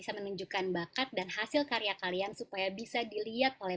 dan juara satunya adalah